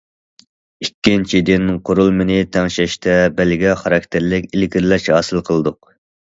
ئىككىنچىدىن، قۇرۇلمىنى تەڭشەشتە بەلگە خاراكتېرلىك ئىلگىرىلەش ھاسىل قىلدۇق.